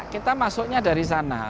kita masuknya dari sana